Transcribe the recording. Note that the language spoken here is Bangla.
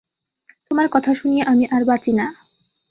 তোমার কথা শুনিয়া আমি আর বাঁচি না!